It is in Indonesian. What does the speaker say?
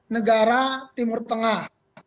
negara timur tengah